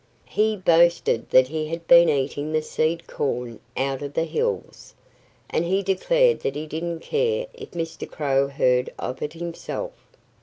He boasted that he had been eating the seed corn out of the hills. And he declared that he didn't care if Mr. Crow heard of it himself.